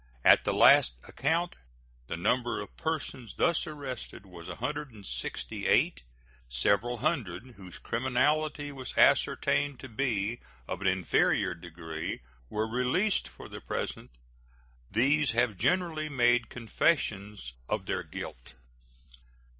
At the last account the number of persons thus arrested was 168. Several hundred, whose criminality was ascertained to be of an inferior degree, were released for the present. These have generally made confessions of their guilt.